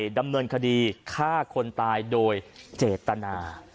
ดำเนินคดีฆ่าคนตายโดยเจตนา